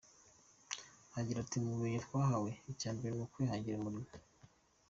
Agira ati “Mu bumenyi twahawe icya mbere ni ukwihangira umurimo.